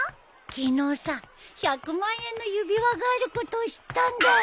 昨日さ１００万円の指輪があることを知ったんだよ。